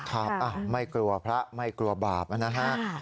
ครับไม่กลัวพระไม่กลัวบาปนะฮะ